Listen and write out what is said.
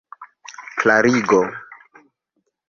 klarigo